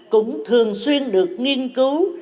cũng thường xuyên được nghiên cứu